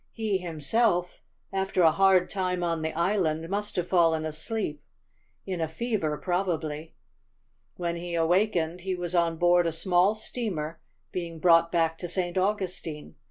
He, himself, after a hard time on the island, must have fallen asleep, in a fever probably. When he awakened he was on board a small steamer, being brought back to St. Augustine.